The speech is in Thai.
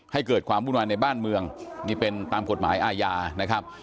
ให้เกิดความวุ่นวายในบ้านเมืองนี่เป็นตามกฎหมายอาญานะครับ